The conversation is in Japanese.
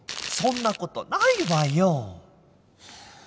そんなことないわよ！